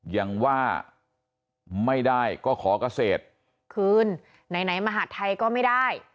ยังว่าไม่ได้ก็ขอเกษตรคืนไหนมหาดไทยก็ไม่ได้